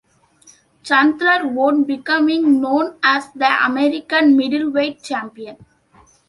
Chandler won, becoming known as the American middleweight champion.